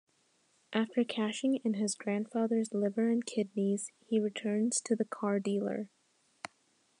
After cashing in his grandfather's liver and kidneys, he returns to the car dealer.